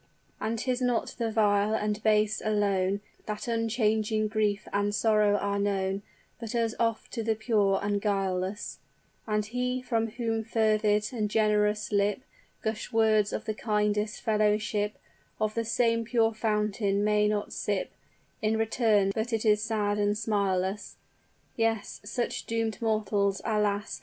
"And 'tis not to the vile and base alone That unchanging grief and sorrow are known, But as oft to the pure and guileless; And he, from whose fervid and generous lip, Gush words of the kindest fellowship, Of the same pure fountain may not sip In return, but it is sad and smileless! "Yes; such doomed mortals, alas!